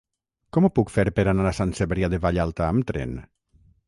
Com ho puc fer per anar a Sant Cebrià de Vallalta amb tren?